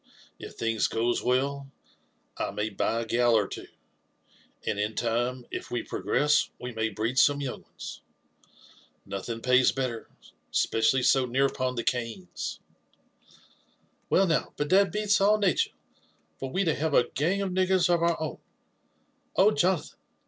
If things goes well, I may buy a gal or two; and in time, if we progress, wo may breed some young ones. Nothing pays better — 'spe cially so near upon (he canes." n LIFE AND ADVENTURES OF Well DOW* but that beats all natur, for we to have a gang of iiig<f gers of our own I Oh, Jonathan